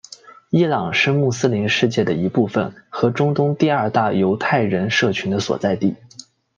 伊朗是穆斯林世界的一部分和中东第二大犹太人社群的所在地。